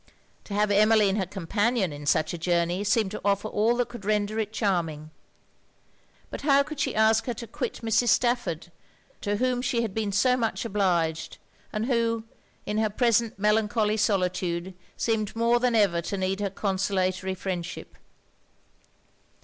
To have Emmeline her companion in such a journey seemed to offer all that could render it charming. But how could she ask her to quit Mrs. Stafford, to whom she had been so much obliged; and who, in her present melancholy solitude, seemed more than ever to need her consolatory friendship.